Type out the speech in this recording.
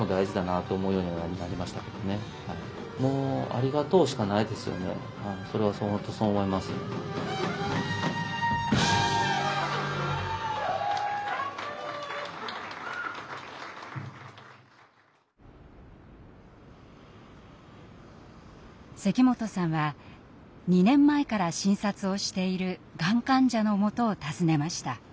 関本さんは２年前から診察をしているがん患者のもとを訪ねました。